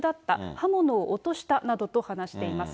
刃物を落としたなどと話しています。